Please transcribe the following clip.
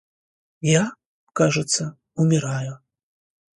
Я, кажется, умираю...